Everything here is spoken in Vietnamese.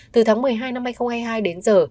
từ tháng một mươi hai năm hai nghìn hai mươi hai đến giờ